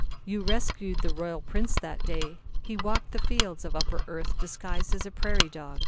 "You rescued the Royal Prince that day. He walked the fields of Upper Earth disguised as a prairie dog.